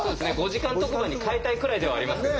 ５時間特番に変えたいくらいではありますよね。